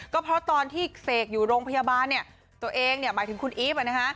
ก็เพราะตอนที่เศกอยู่โรงพยาบาลเนี่ยตัวเองเนี่ยหมายถึงคุณอีฟอ่ะนะฮะ